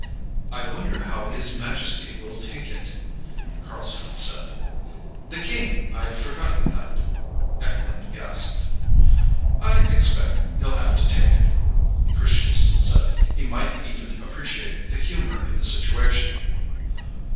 "I wonder how His Majesty will take it," Carlstrom said. "The king! I'd forgotten that!" Eklund gasped. "I expect he'll have to take it," Christianson said. "He might even appreciate the humor in the situation."